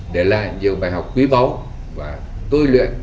để lại nhiều bài học quý báu và tôi luyện